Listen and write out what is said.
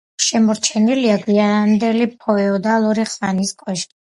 შემორჩენილია გვიანდელი ფეოდალური ხანის კოშკი.